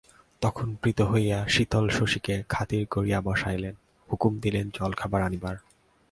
তখন প্রীত হইয়া শীতল শশীকে খাতির করিয়া বসাইলেন, হুকুম দিলেন জলখাবার আনিবার।